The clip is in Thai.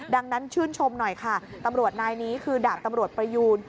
ดังนั้นชื่นชมหน่อยค่ะตำรวจนายนี้คือดาบตำรวจประยูน